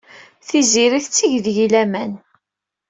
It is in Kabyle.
Tiziri tetteg deg-i laman.